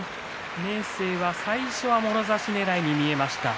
明生は最初はもろ差しねらいに見えました。